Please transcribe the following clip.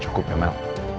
cukup ya mel